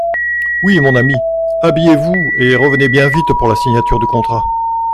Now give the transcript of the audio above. Oui, mon ami… habillez-vous et revenez bien vite pour la signature du contrat…